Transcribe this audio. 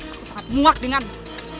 aku sangat muak denganmu